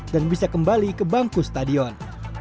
dan bisa kembali ke bangku stadion